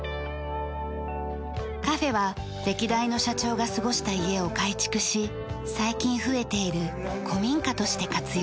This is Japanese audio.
カフェは歴代の社長が過ごした家を改築し最近増えている古民家として活用。